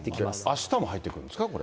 あしたも入ってくるんですか、これ。